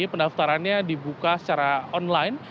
pendaftarannya dibuka secara online